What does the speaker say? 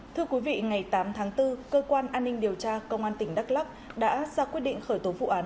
thưa quý vị ngày tám tháng bốn cơ quan an ninh điều tra công an tỉnh đắk lắc đã ra quyết định khởi tố vụ án